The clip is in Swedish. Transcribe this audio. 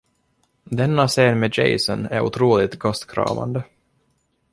Denna scen med Jason är otroligt gastkramande.